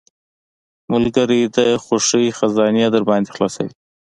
ملګری د خوښۍ خزانې درباندې خلاصوي.